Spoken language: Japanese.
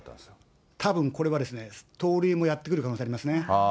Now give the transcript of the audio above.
たぶん、これはですね、盗塁もやってくる可能性ありますね。